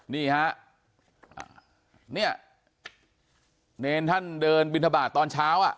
นี่ฮะเนี่ยเนรท่านเดินบินทบาทตอนเช้าอ่ะ